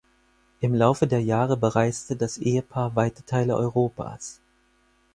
Im Laufe der Jahre bereiste das Ehepaar weite Teile Europas.